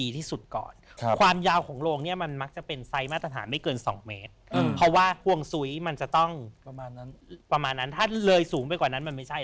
ที่สุดก่อนความยาวของโรงเนี่ยมันมักจะเป็นไซส์มาตรฐานไม่เกิน๒เมตรเพราะว่าห่วงซุ้ยมันจะต้องประมาณนั้นประมาณนั้นถ้าเลยสูงไปกว่านั้นมันไม่ใช่